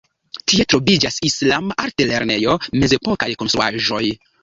Tie troviĝas islama altlernejo, mezepokaj konstruaĵoj.